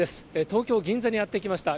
東京・銀座にやって来ました。